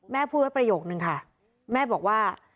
พูดไว้ประโยคนึงค่ะแม่บอกว่า